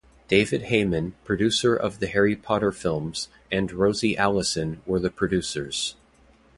David Heyman, producer of the Harry Potter films, and Rosie Alison were the producers.